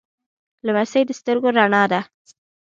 لمسی د سترګو رڼا ده.